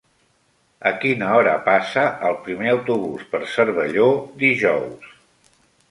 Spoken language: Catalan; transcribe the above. A quina hora passa el primer autobús per Cervelló dijous?